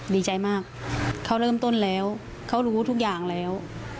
ดีใจมากเขาเริ่มต้นแล้วเขารู้ทุกอย่างแล้ว